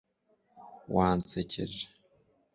Wansekeje